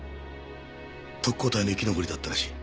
特攻隊の生き残りだったらしい。